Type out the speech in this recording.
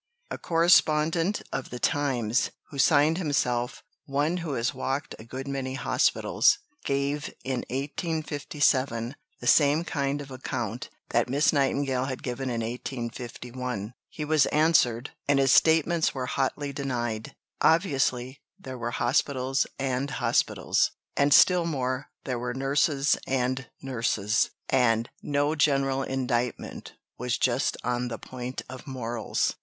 A correspondent of the Times, who signed himself "One who has walked a good many Hospitals," gave in 1857 the same kind of account that Miss Nightingale had given in 1851. He was answered, and his statements were hotly denied. Obviously there were hospitals and hospitals, and still more there were nurses and nurses, and no general indictment was just on the point of morals.